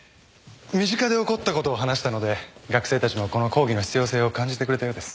身近で起こった事を話したので学生たちもこの講義の必要性を感じてくれたようです。